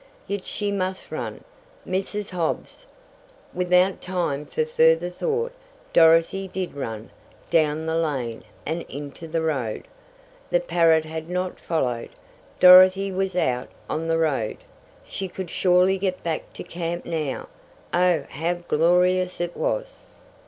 Yet she must run! Mrs. Hobbs Without time for further thought Dorothy did run; down the lane, and into the road. The parrot had not followed! Dorothy was out on the road, she could surely get back to camp now. Oh, how glorious it was!